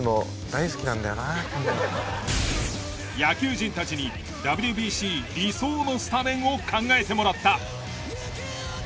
野球人たちにＷＢＣ理想のスタメンを考えてもらった。